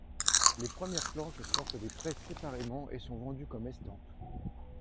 Les premières planches sortent des presses séparément et sont vendues comme estampes.